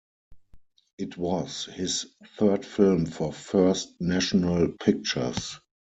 It was his third film for First National Pictures.